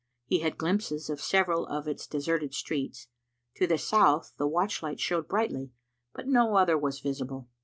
He had glimpses of several of its deserted streets. To the south the watch light showed brightly, but no other was visible.